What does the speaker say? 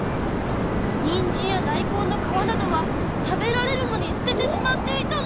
にんじんや大根の皮などは食べられるのに捨ててしまっていたの！